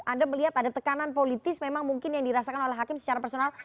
anda melihat ada tekanan politis memang mungkin yang dirasakan oleh hakim secara personal